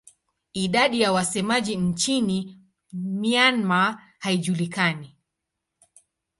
Idadi ya wasemaji nchini Myanmar haijulikani.